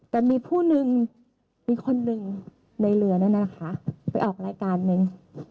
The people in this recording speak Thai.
แต่มีผู้นึงมีคนหนึ่งในเรือนั่นนะคะไปออกรายการนึง